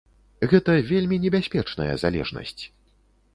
Гэта вельмі небяспечная залежнасць.